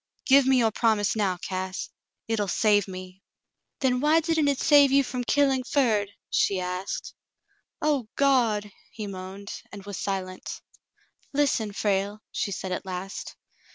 Give me your promise now, Cass. Hit'll save me." "Then why didn't it save you from killing Ferd.^" she asked. "O Gawd !" he moaned, and was silent. "Listen, Frale," she said at last.